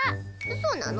そうなの？